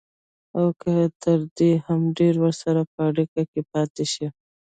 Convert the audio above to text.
او که تر دې هم ډېر ورسره په اړيکه کې پاتې شي.